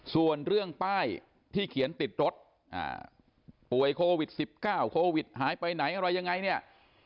ส่วนเรื่องป้ายที่เขียนติดรถป่วยโควิด๑๙โควิดหายไปไหนอะไรยังไงเนี่ย